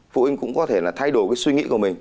phụ huynh cũng có thể là thay đổi cái suy nghĩ của mình